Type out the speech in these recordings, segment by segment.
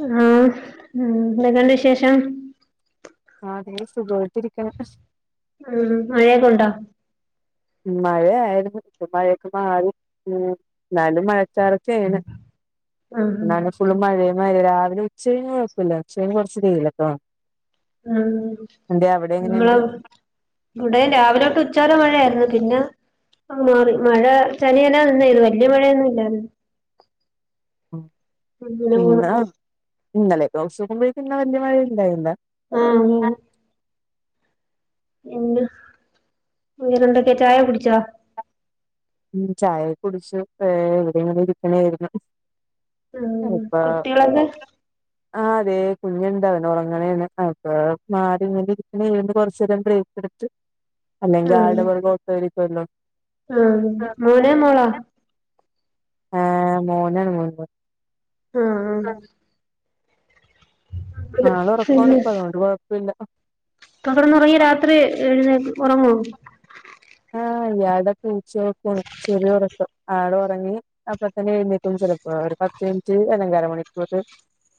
ആഹ് എന്തൊക്കെണ്ട് വിശേഷം ആഹ് അതെ സുഖോയിട്ടിരിക്കണ് ഉം മഴയൊക്കെണ്ടാ? മഴയായിരുന്നു ഇപ്പോ മഴയൊക്കെ മാറി ഉം ന്നാലും മഴച്ചാറൊച്ചേണ് ആഹ് ഇന്നാണ് ഫുള്ള് മഴയും പെയ്ത് രാവിലെ ഉച്ചഴിഞ്ഞ് കുഴപ്പില്ല ഉച്ചഴിഞ്ഞ് കൊറച്ച് വെയിലൊക്കെ ആഹ് എന്തേ അവിടെ ഇങ്ങളോ എങ്ങനെയുണ്ട് ഇവിടേം രാവിലെ തൊട്ട് ഉച്ച വരെ മഴയായിരുന്നു പിന്നെ ആഹ് മാറി മഴ ചനിയന നിന്നായിരുന്നു വല്യ മഴയൊന്നും ഇല്ലായിരുന്നു ഉം അങ്ങനെ പോണ് പിന്നെന്താ ഇന്നലെത്തോച്ച് നോക്കുമ്പോഴേക്കും ഇന്ന് വല്യ മഴയൊന്നുണ്ടായില്ല ആഹ് ഉം എണ്ട് രണ്ടൊക്കെ ചായ കുടിച്ചാ ഉം ചായെക്കുടിച്ചു ഏഹ് ഇവിടെങ്ങനെ ഇരിക്കണെർന്ന് ഉം കുട്ടികൾടെ ആഹ് അതെ കുഞ്ഞുണ്ടെ അവന്നുറങ്ങണേണ് അപ്പൊ മാറിങ്ങനെ ഇരിക്കണെന്ന് കൊറച്ചേരം ബ്രേക്കെടുത്ത് അല്ലെങ്കി ആൾടെ ആഹ് പൊറകെ ഓട്ടാരിക്കുവല്ലോ ആഹ് മോനോ? മോളാ? ആഹ് മോനാണ് [unintelligible] ആഹ് പിന്നെ ആളൊറക്കാണിപ്പോ അതോണ്ട് കുഴപ്പല്ല ഇപ്പോ കെടന്നൊറങ്ങിയാ രാത്രി എഴുന്നേക് ഉറങ്ങോ? ആഹ് ഇയാൾടെ പൂച്ചയൊറക്കാ ചെറിയോറക്കം ആളൊറങ്ങി അപ്പത്തന്നെ എഴുന്നേക്കും ചെലപ്പോ ഒരു പത്ത് മിനിറ്റ് അല്ലങ്കി അര മണിക്കൂറില്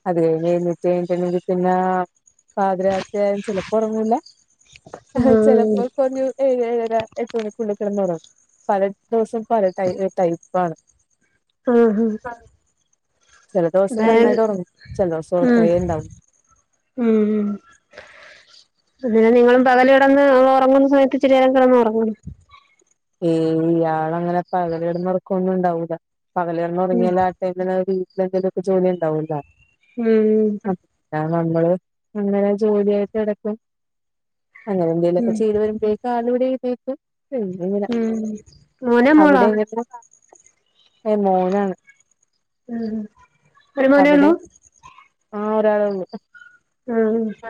അത് കഴിഞ്ഞെഴിഞ്ഞിട്ട് എഴുന്നേറ്റിന്നാ പിന്നാ പാതിരാത്രിയാലും ചിലപ്പോ ഉറങ്ങൂല്ല ആഹ് ചെലപ്പോക്കൊങ്ങും എഴേഴരാ എട്ട് മണിക്ക് വിളിക്കണന്താറിയോ പല ദിവസോം പല ടൈ ടൈപ്പാണ് ആഹ് ഹാ ചെല ദിവസം നന്നായിട്ട് ഉറങ്ങും ചെല ദിവസം ഉറക്കേണ്ടാവൂ ഉം ഉം അങ്ങെനെ നിങ്ങളും പകലെടന്ന് ഉറങ്ങുന്ന സമയത്ത് ഇച്ചിരിനേരം കിടന്നുറങ്ങണം ഏയ് ഇയാളങ്ങനെ പകലെടന്ന് ഒറക്കവൊന്നും ഉണ്ടാവുല പകല് കെടന്ന് ഉം ഒറങ്ങിയ രാ എങ്ങനായാലു രു [unintelligible] ജോലി ഉണ്ടാവല്ലോ ഉം അപ് നാ നമ്മള് അങ്ങനെ ജോലിയായിട്ട് എട്ക്കും അങ്ങനെ എന്തെലൊക്കെ ഉം ചെയ്ത് വരുമ്പോഴേക്ക് ആളിവിടെ എഴുന്നേക്കും പിന്നെങ്ങനെ ഉം മോനാ മോളാ അവിടെ എങ്ങനെ ഏഹ് മോനാണ് ഉം ഒരു അവിടെ മോനേള്ളൂ? ആഹ് ഒരാളേള്ളു. ആ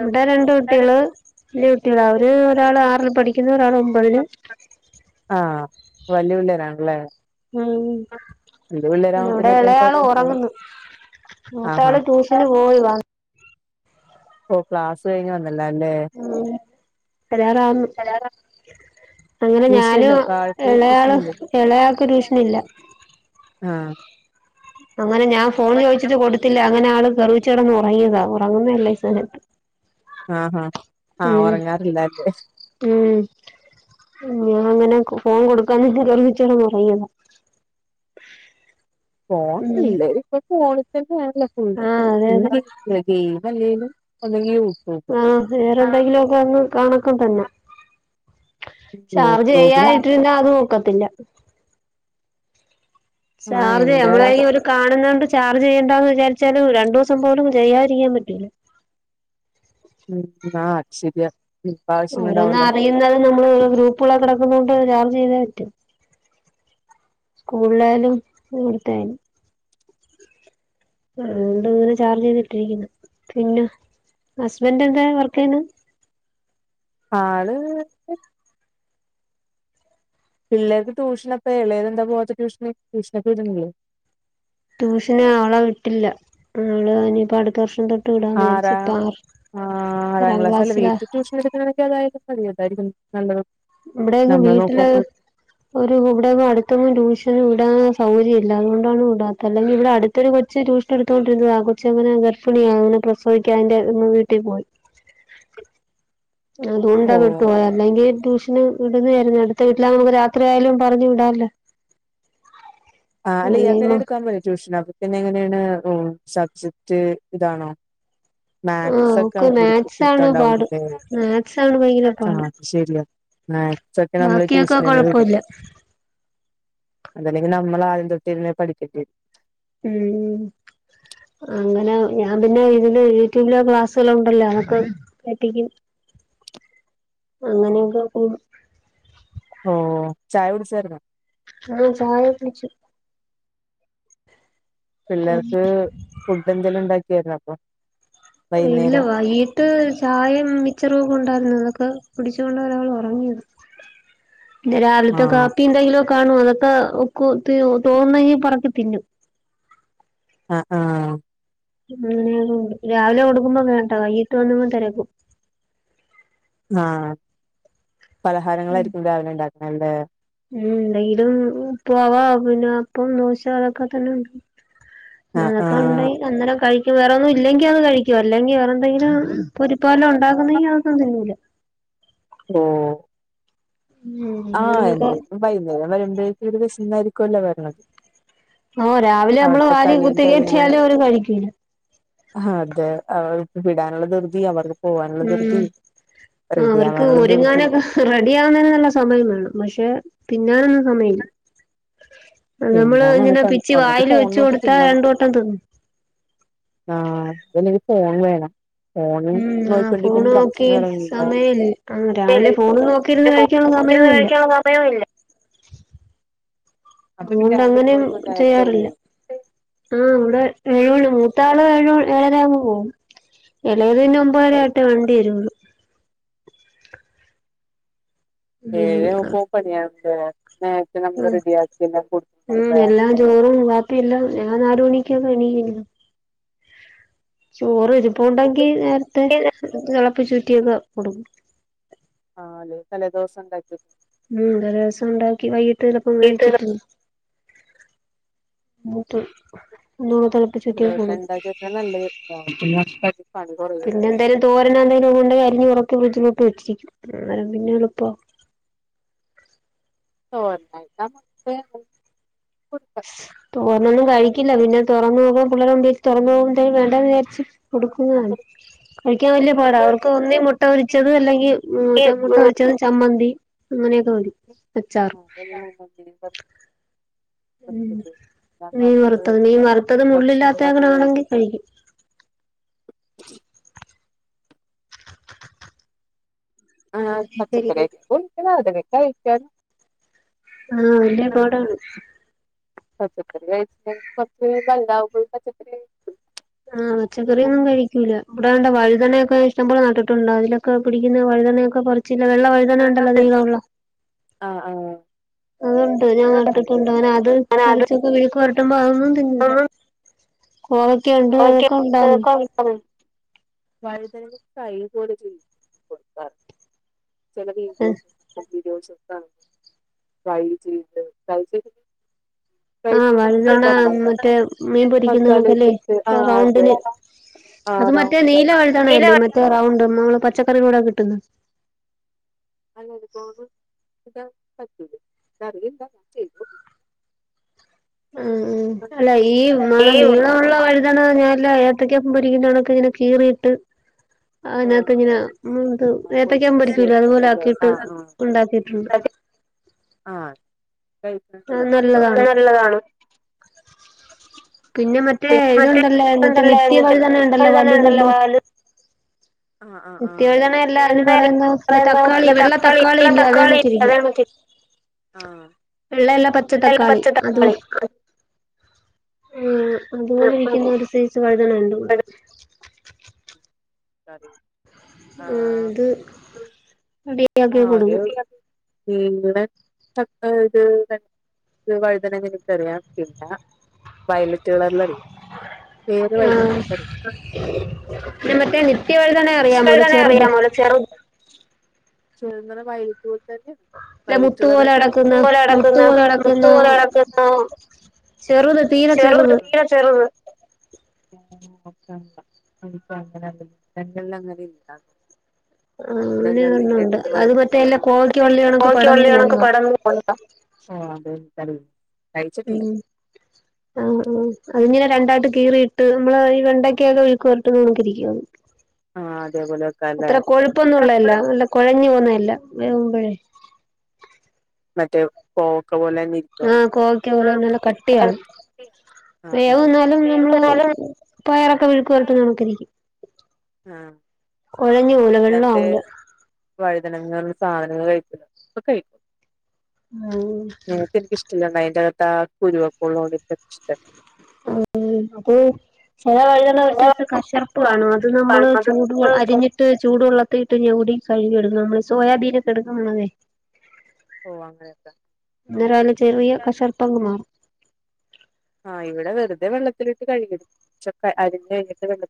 ബടെ രണ്ട് കുട്ടിയെള് വലിയ കുട്ടികള് അവര് ഒരാൾ ആറിൽ പഠിക്കുന്ന ഒരാൾ ഒമ്പത് തില് ആഹ് വല്ലിയപിള്ളാരാണല്ലേ? ഉം പിന്നെ ഇവിടെ അത്രയും ഇളയാള് കുഴപ്പണ്ടാവില്ല ഒറങ്ങുന്നു. ആഹാ മൂത്താള് ട്യൂഷന് പോയിവാ ഓഹ് ക്ലാസ് കഴിഞ്ഞ് വന്നില്ലാല്ലേ? വരാറാവുന്ന്- അങ്ങനെ ട്യൂഷൻ ഞാനു ഇല്ലേ ഇപ്പൊ ആൾക്ക് ട്യൂഷൻ ഇളയാള് ഇല്ലേ ഇളയാൾക്ക് ടൂഷനില്ല. ആഹ്. അങ്ങനെ ഞാൻ ഫോൺ ചോയ്ച്ചിട്ട് കൊടുത്തില്ല അങ്ങനെ ആള് കെറിയിച്ചെടന്ന് ഒറങ്ങിയതാ ഉറങ്ങുന്നതല്ലേ ഈ സമയത്ത്. ആഹാ ആഹ് ഉം ഒറങ്ങാറില്ലല്ലേ? ഉം ഞാൻ അങ്ങനെ ഫോൺ കൊടുക്കാഞ്ഞിട്ട് കെറിയിച്ചെടന്നഒറങ്ങിയത. ഫോൺ പിള്ളേരൊക്കെ ഇപ്പൊ ഫോണിൽതന്നേണല്ലൊ ഫുൾ ആഹ് അതെ അതെ ഗെയിമല്ലേലുംഅല്ലങ്കി യൂ ആഹ് വേറെന്തെങ്കിലുഒക്ക അങ്ങ് കാണക്കം തന്നെ- ചാർജ് യൂട്യൂബിലാണ് ചെയ്യായിട്ടിരിന്ന അതു ഒക്കത്തില്ല. ആഹ് ചാർജേ എന്റെ നമ്മടെ കൈയ്യൊരു കാണുന്നൊണ്ട് ചാർജ് ചെയ്യേണ്ടാന്ന് വിചാരിച്ചലും രണ്ടുസം പോലും ചെയ്യാതിരിക്കാൻ പറ്റൂല്ല. ഉം അത് ശരിയ. ഓരോന്നും അറിയുന്നതും നമ്മള് ഗ്രൂപ്പുള്ളൊക്കെ കെടക്കുന്നൊണ്ട് ചാർജ് ചെയ്തേ പറ്റു. സ്കൂളായാലും എവിട്ത്തായാലും- അതുകൊണ്ട് ഇങ്ങനെ ചാർജ് ചെയ്തിട്ടിരിക്കുന്നു പിന്നെ ഹസ്ബൻഡ് എന്താ വർക്കെയ്യുന്നു. ആള്- പിള്ളേർക്ക് ട്യൂഷൻപ്പ ഇളയതന്താ പോവാത്തെ ട്യൂഷന് ട്യൂഷന ക്കെ വിട്നില്ലേ? ട്യൂഷന് ആവളാ വിട്ടില്ല ആള് ഇനിപ്പൊ അടുത്ത വർഷം തൊ ആരാ ആഹ് ആറാം ക്ലാസ് അല്ലേ വീട്ടിൽ ട്യൂഷൻ ട്ത് [unintelligible] അതായും മതി അതായിരിക്കും നല്ലത്. ബടെങ്ങും നമ്മൾ വീട്ടില് നോക്കുമ്പോ ഒരു ഇവിടെ അടുത്തൊന്നും ട്യൂഷന് വിടാൻ സൗകര്യല്ല അതോണ്ടാണ് വിടാത്തെ അല്ലെങ്കിൽ ഇവിടെ അടു തോരു കൊച്ച് ട്യൂഷൻ ട്തോണ്ടിരുന്നത ആ കൊച്ച അങ്ങനെ ഗർഫണിയ അങ്ങനെ പ്രസൊയിക്കാന് അതിന്റെ വീട്ടിൽ പോയി. അതൂണ്ടാ ഓഹ് വിട്ട് പോയത്- അല്ലെങ്കി ട്യൂഷന് വിടുന്നതായിരുന്നു അടുത്ത വീട്ടില നമുക്ക് രാത്രിയാലും പറഞ്ഞ് വിടാല്ലോ- [inaudible] ആഹ് അല്ലേ ഇയാക്കെന്നെ അല്ലേമ്മ എടുക്കാൻ പോയാ ട്യൂഷൻ അപ്പൊ പിന്നെ എങ്ങനെയാണ് സബ്ജെക്ട് ഇതാണോ? ആഹ് മാക്സ് ക്കെ ഓക്ക് പിടിക്കും മാത്സ് ആണ് പാട് പിടുത്തവുണ്ടാവുലല്ലേ മാത്സ് ആണ് ഭയങ്കര ആ പാട് അത് ശരിയ- മാത്‍സക്കെ നമ്മള ബാക്കിയൊക്കെ ട്യൂഷനെന്നേ വിട കൊഴപ്പല്ല അതല്ലെങ്കി നമ്മള് ആദ്യം തൊട്ടേ രിന്നേ പഠിക്കേ ഉം. അങ്ങനെ ഞാൻ പിന്നെ ഇതില് യൂട്യൂബിലെ ക്ലാസ്സുകള ഉണ്ടല്ലോ അതൊക്കെ പറ്റിക്കും. അങ്ങനെയൊക്കെ കൂടും ഓഹ് ചായകുടിചേർന്നൊ? അഹ് ചായ കുടിച്ചു. പിള്ളേർക്ക് ഫുഡ് എന്തെങ്കിലും ഉണ്ടാക്കിയായിരുന്നൊ ഇപ്പം. ഇല്ല വായി ട്ട് ചായേം മിച്ചറുവക്കെ ഉണ്ടാർന്നു അതൊക്കെ കുടിച്ചൊണ്ടരാൾ ഒറങ്ങിയത പിനെ രാവിലത്തെ ആഹ് കാപ്പി എന്തെങ്കിലും കാണോ അതൊക്കെ ഒക്കു തോന്നുന്നെങ്കി പർക്കി തിന്നു- അഹ് ആ അങ്ങനെണ്ട് രാവിലെ കൊടുക്കുമ്പോ വേണ്ട വയ്യിട്ട് വന്നങ്ങ് തെരക്കും. ആഹ് പലഹാരങ്ങളായിരിക്കും രാവിലെ ഉണ്ടാക്കാല്ലേ ഉം എന്തെങ്കിലും പോവാ പിന്നെ അപ്പം ദോശൊക്കെ തന്നെ ഉണ്ട് ആഹ് അതൊക്കെ ആഹ് ഉണ്ടങ്കി അന്നേരം കഴിക്ക വേറെ ഒന്നും ഇല്ലങ്കി അത് കഴിക്കും ഇല്ലെങ്കി വേറെ എന്തെങ്കിലും പൊരിയൊക്കെ ഉണ്ടാക്കുന്നതെങ്കി അതൊന്നും തിന്നില്ല ഓ ഉം ആഹ് അങ്ങനെയൊക്കെ എന്തായാലും വൈകുന്നേരം വരുമ്പോഴേക്ക് വിശന്നായിരിക്കുല്ലോ വരണത് ആഹ് രാവിലെ നമ്മള് അവിടുത്തെ വാ കളിയും കുത്തി കാര്യങ്ങളും കയറ്റിയാലും അവര് കഴിക്കൂല ആഹ് അതെ അവർക്ക് വിടാനുള്ള ദൃതി അവർ പോവാനുള്ള ഉം ദൃതി ആ റെഡി അവർക്ക് ആവാനുള്ള ദൃതി ഒരുങ്ങാനൊക്കെ റെഡി ആവുന്നതിന് നല്ല സമയം വേണം പക്ഷെ തിന്നാനൊന്നും സമയമില്ല ആഹ് നമ്മള് തിന്നാനാണ് ഇങ്ങനെ പണി പിച്ചി ഒന്നെങ്കി വായില് ഫോൺ വെച്ചു നോക്കി കൊടുത്താ തിന്നാൻ രണ്ടോട്ടം തിന്നും ആഹ് ഇപ്പൊ എല്ലാർക്കും ഫോൺ വേണം ഫോണ് ഉം ആഹ് ഫോണ് നോയിക്കൊണ്ടിരിക്കുമ്പോ നോക്കി ഭക്ഷണം എറങ്ങൂല സമയല്ല ആഹ് രാവിലെ ഇല്ല ഫോണ് നോക്കിയിരുന്ന് കഴി ഴിക്കാള്ള സമയവും ഇല്ല ഇപ്പഴും ഇല്ല അപ്പൊ പിന്നെ രാവിലെ എത്ര അതോണ്ടങ്ങനെയും മണിക്കൂർ നേരത്തെ ചെയ്യാറില്ല പോവും ആഹ് ഇവിടെ ഏഴ് മണി മൂത്താള് ഏഴ് ഏഴരയാകുമ്പോ പോവും ഇളയത് പിന്നെ ഒമ്പതര ആയിട്ടെ വണ്ടി വരുള്ളൂ ഉം ആ ഏഴാവുമ്പോ പണിണ്ട് നേരത്തെ നമ്മള് റെഡിയാക്കിയെല്ലാം ഉം കൊടുക്കണ്ടെ എല്ലാം ചോറും വാപ്പിയെല്ലാം ഞാൻ നാല് മണിക്ക് എണീക്കല്ലോ ചോറ് ഇരുപ്പോണ്ടെങ്കി നേരത്തെ തിളപ്പിച്ചൂറ്റിയൊക്കെ കൊടുക്കും ആഹ് അല്ലെ തലേ ദിവസം ഉണ്ടാക്കി ഉം തലേ ദിവസം ഉണ്ടാക്കി വൈകിട്ട് ചിലപ്പം കഴിച്ചിട്ട് [unintelligible] ഒന്നാമത് ചെല ദിവസം ഉണ്ടാക്കി വെക്കാൻ നല്ല രസാ പിന്നെ എന്തേലും തോരനൊ എന്തങ്കും കൊണ്ട് അരിഞ് ഇറക്കി ഫ്രിഡ്ജ്ലോട്ട് വെച്ചിരിക്കും അപ്പം പിന്നെ എളുപ്പ തോര കൊടുക്ക തോരെന്നൊന്നും കഴിക്കില്ല പിന്നെ തുറന്നു പോവുമ്പം പിള്ളേർ എന്തേലും തുറന്ന് നോക്കുമ്പോ വേണ്ടേന്ന് വിചാരിച്ച് കൊടുക്കുന്നതാണ് കഴിക്കാൻ വലിയ പാട അവർക്ക് ഒന്നേ മുട്ട പൊരിച്ചത് അല്ലെങ്കിൽ ഉം ഈ ചമ്മ മുട്ട ആഹ് പൊരിച്ചത് ചമ്മന്തി അങ്ങനെയൊക്കെ മതി അച്ച [unintelligible] ഉം കിട്ടത് മീൻ ഞങ്ങൾക്ക് വറുത്തത് മീൻ വറുത്തത് ഭക്ഷണം മുള്ളില്ലാത്ത അത് ആണെങ്കിൽ കഴിക്കും ആഹ് അങ്ങനെയൊക്കെ പച്ചക്കറി ഇരിക്കും ഒക്കന്നെ അതൊക്കെ കഴിച്ച ആഹ് നല്ല പാടാണ് പച്ചക്കറി കയിച്ചിലങ്കി [unintelligible] ബലുതാമ്പഴും പച്ചക്കറി ആഹ് പച്ചക്കറിയൊന്നും കഴിക്കൂല ഇവിടെ ആണെ വഴുതനയൊക്കെ ഇഷ്ടം പോലെ നട്ടിട്ടുണ്ട് അതിലൊക്കെ പിടിക്കുന്ന വഴുതനയൊക്കെ ചില വെള്ള വഴുതന ഉണ്ടല്ലോ [unintelligible] നീളമുള്ള അഹ് ആഹ് അതൊണ്ട് ഞാൻ അതെ നട്ടിട്ടുണ്ട് അവന് അത് പറിച്ചൊക്കെ മെഴുക്ക് വരട്ടുമ്പോ അതൊന്നും തിന്നില്ല കൊവക്ക ഉണ്ട് ഏതൊക്കെ ഉണ്ടാവ [unintelligible] വഴുതന കൈകുക കൂടെ ചെയ്യാതെ കൊടുക്കാറ് ചില വീഡിയോസ് ഒക്കെ ഫ്രൈ ചെയ്ത് [unintelligible] ഫ്രൈ ആഹ് വഴുതന ചെയ്യണംന്നില്ല എന്നാലും മറ്റേ മീൻ പൊരിക്കുന്നൊക്കല്ലേ മസാലയൊക്കെ ഇട്ട് ആഹ് അതെ റൗണ്ടിന് ആഹ് അത് മറ്റേ റൗണ്ട് നീല വഴുതന അല്ലേ റൗണ്ട് നമ്മൾ പച്ചക്കറി കൂടെ കിട്ടുന്നു അല്ലനക്കും തിന്നാൻ പറ്റൂലെ എനിക്കറിയില്ല [unintelligible] ആഹ് ഉം അല്ല ഈ വഴു ഏയ് നീ ളള്ള വഴുതന ഞാനെല്ലാ ഏത്തയ്ക്ക പൊരിക്കുമ്പഴൊക്കെ ഇങ്ങനെ കീറിയിട്ട് ഓ അതിനകത്ത് ഇങ്ങെനെ ഇത് ആഹ് ഏത്തയ്ക്കാം പൊരിക്കൂലെ അതുപോലെ പൊരിച്ചെടുക്കല്ലേ ആക്കീട്ട് ആഹ് ഉണ്ടാക്കിട്ടുണ്ട് ആഹ് ആഹ് അത് ക നല്ലതാണ് [unintelligible] താണ് പിന്നെ മറ്റേ പിന്നെ മറ്റേ ഇതുണ്ടല്ലോ മറ്റേ ത്ണ്ടല്ലേ [unintelligible] നിത്യവഴുതന ഉണ്ടല്ലോ തന്നെണ്ടല്ലോ വാല് ആഹ് ആഹ് നിത്യവഴ്ദനയല്ലാ അതിന് ആഹ് പറയ്ന്നേ പറയുന്ന തക്കാളി വെള്ള തക്കാളി ഉള്ള ഇല്ലേ അതേ തക്കാളി കണക്കിരിക്കും അതാണ് ആഹ് വെള്ളയല്ല പച്ച വെള്ള തക്കാളി പച്ച അത് തക്കാളി ആഹ് അതുപോലെ ഇരിയ്ക്ക്ന്ന ഒരു സെയ്സ് വഴ്തനണ്ട് വ്ടെ [unintelligible] ഉം ആഹ് ത് അതി ആഹ് ഒരു ഉം ബ്ടെ ത [unintelligible] വഴ്തനങ്ങ എനിക്കറിയാം പിന്നാ വയലറ്റ് കളർല് അറിയാം പേര് വയ്ത [unintelligible] ആ മറ്റേ നിത്യവഴ്തന അറിയാമോ നെ ചെറ്ത് ചേന്നല വയ്റ്റു ഇല്ല വൈലറ്റ് മുത്ത് കളറ് പോലെ കിടക്കുന്ന ത്ത് പോലെ മുത്ത് കെടെക്കുന്നെ പോലെ മുത്ത് പോലെ കെടെക്കുന്നാ ചെറ്ത് തീരെ ചെറ്ത് ചെറ്ത് ഒക്കെ [unintelligible] അങ്ങെനെ ഇണ്ടാ ആഹ് അങ്ങനെ ഒരെണ്ണാെണ്ട് വയ അത് മറ്റേ എല്ല കോവക്ക വള്ളി കണക്ക് പടർന്ന് കോഴിക്കവള്ളി പോവ്ന്നതാ [unintelligible] ഓഹ് അതെ തടി ഉം ആഹ് ആഹ് അത്ങ്ങെനെ രണ്ടായിട്ട് കീറിയിട്ട് നമ്മള് ഈ വെണ്ടെയ് ക്കെയൊക്കെ മെഴ്ക്ക് പരട്ട്ന്ന കണെക്കിരിക്കും അത് ആഹ് അതേപോലെ വെക്കാല്ലേ അത്ര കൊഴ്പ്പൊന്നുംള്ളെല്ലാ നല്ല കൊഴെഞ്ഞ് പോവ്ന്നെയല്ലാ വേവുമ്പഴേ മറ്റേ കോവക്ക പോലെ മി ആഹ് കോവെയ്ക്ക പോലെ നല്ല കട്ടിയാണ് ആഹ് ആഹ് വേവെന്നാലും നമ്മള് വേവ് നല്ല പയറൊക്കെ മെഴ്ക്ക് വര്ട്ട്ന്ന കണെക്കിരിക്കും ആഹ് കാെഴെഞ്ഞ് പോവുല വെള്ളം ആവൂലാ വഴ്തനങ്ങർഞ്ഞ സാധനങ്ങൾ കഴിക്കൂലാ ഇപ്പ കഴിക്കും ഉം നേര്ത്തെനിക്ക്ഷ് [unintelligible] അയ്ന്റകത്താ കുരുവാെക്കള്ളാേണ്ട് ആഹ് അത് ചെല വഴ്തന ഒര് സെയ്സ് കഷർപ്പ് കാണും അ അത് നമ്മള് ചൂടു അരിഞ്ഞി ട്ട് ചൂടു വെള്ളത്തീട്ട് ഞവ്ടി കഴ്കി എട്ക്കും നമ്മള് സോയാബീനാെക്കെ എട്ക്ക്ന്ന കണെക്കെ ഓഹ് അങ്ങെനെ അന്നേരം അയ്ലെ ചെറിയ കഷർപ്പങ്ങ് മാറും ആഹ് ഇവിടെ വെറ്തെ വെള്ളത്തിലിട്ട് കഴ്കിടും ക്ഷാെക്കെ അരിഞ്ഞ് കയ്ഞ്ഞിട്ട് വെള്ള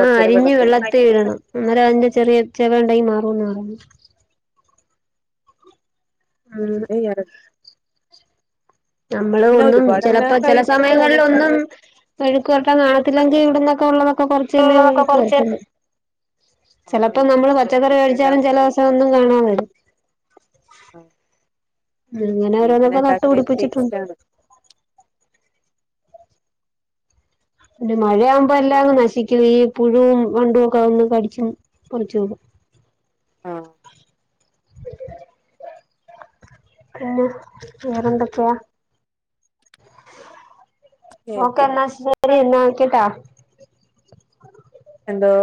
ആഹ് അരിഞ്ഞ് വെള്ളെത്തീടെണം അന്നേരം അതിന്റെ ചെറിയ ചെവ ഉണ്ടെങ്കി മാറൂന്നാ പറയ്ന്നേ ആഹ് [unintelligible] നമ്മള് പിന്നെ ഒന്നും ഒരുപാട് അങ്ങനെ ചെലെപ്പാ ചെലെ കയ്പ്പ് തോന്നിട്ടില്ല സമയങ്ങൾലൊന്നും മെഴ്ക്ക് പരട്ടാനാകത്തില്ലെങ്കി ഇവിടുന്നൊക്കെ ഉള്ളാെതൊക്കെ പറിച്ച് തന്നെ മെഴ്ക്ക് കൊറച്ച് പരട്ട്ന്നെ ആഹ് ചെലപ്പം നമ്മള് വീട്ടില് പച്ചക്കറി വേടിച്ചാലും ചെലാേസം ഒന്നും കാണാതെ വെരും അഹ് ഉം ഇങ്ങെനെ ഓരോന്നൊക്കെ ടേസ്റ്റ് നട്ട്പിടിപ്പിച്ചിട്ടുണ്ട് ആണ് പിന്നെ മഴയാവുമ്പോ എല്ലാം അങ്ങ് നശിക്കും ഈ പുഴുവും വണ്ടും ഒക്കെ ഒന്ന് കടിച്ചും കുറച്ചു ആഹ് പിന്നെ വേറെന്തൊക്കെയാ ഓക്കെ എന്നാ ശെരി എന്നാ വെക്കെട്ടാ എന്തോ